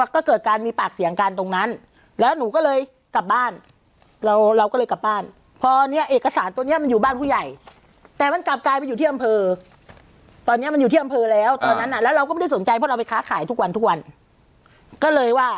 คือก็รู้รู้กันค่ะรู้รู้กันอยู่เป็นที่รู้กันค่ะ